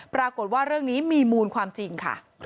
ปรากฏว่าเรื่องนี้มีมูลความจริงค่ะ